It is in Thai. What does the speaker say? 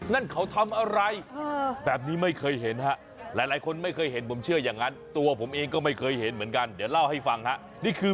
นั่นเขาทำอะไรแบบนี้ไม่เคยเห็นฮะหลายคนไม่เคยเห็นผมเชื่ออย่างนั้นตัวผมเองก็ไม่เคยเห็นเหมือนกันเดี๋ยวเล่าให้ฟังฮะนี่คือ